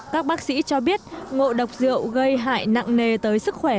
các bác sĩ cho biết ngộ độc rượu gây hại nặng nề tới sức khỏe